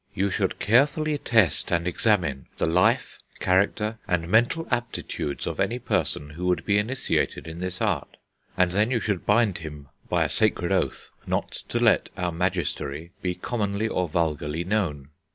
"You should carefully test and examine the life, character, and mental aptitudes of any person who would be initiated in this Art, and then you should bind him, by a sacred oath, not to let our Magistery be commonly or vulgarly known.